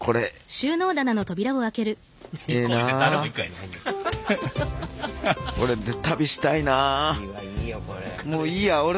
これで旅したいな。